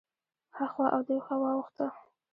هخوا او دېخوا واوښته.